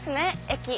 駅。